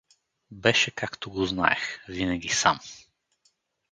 Беше както го знаех, винаги сам.